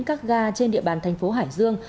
các ga trên địa bàn thành phố hải dương